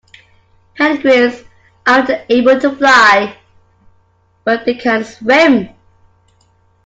Penguins aren't able to fly, but they can swim